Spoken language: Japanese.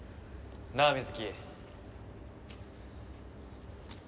なあ水城。